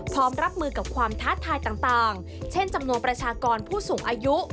พร้อมรับมือกับความท้าทายต่างเช่นจำนวนประชากรผู้สูงอายุ